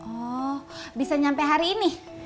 oh bisa nyampe hari ini